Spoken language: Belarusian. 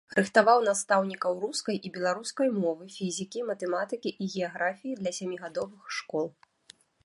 Рыхтаваў настаўнікаў рускай і беларускай мовы, фізікі, матэматыкі і геаграфіі для сямігадовых школ.